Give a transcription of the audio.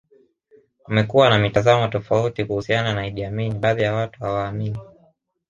Kumekuwa na mitazamo tofauti kuhusiana na Idi Amin baadhi ya watu hawaamini